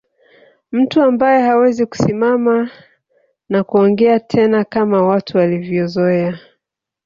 Mtu ambae hawezi kusimama na kuongea tena kama watu walivyozoea